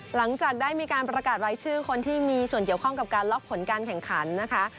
หลังจากได้มีการประกาศรายชื่อคนที่มีส่วนเกี่ยวข้องกับการล็อกผลการแข่งขันนะคะ